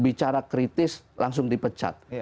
bicara kritis langsung dipecat